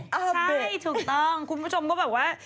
ใช่ถูกต้องคุณผู้ชมก็แบบว่า